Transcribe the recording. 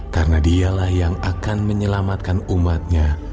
karena dialah yang akan menyelamatkan umatnya